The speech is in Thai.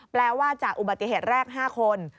แปลว่าจากอุบัติเหตุแรก๕คน